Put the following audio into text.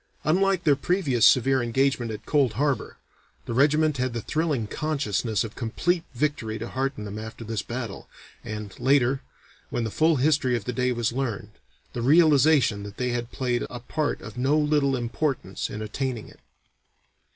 Unlike their previous severe engagement at Cold Harbor, the regiment had the thrilling consciousness of complete victory to hearten them after this battle, and, later, when the full history of the day was learned, the realization that they had played a part of no little importance in attaining it.